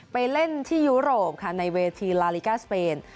ไปเล่นที่ยุโรปค่ะในเวทีลาลิกาสเปน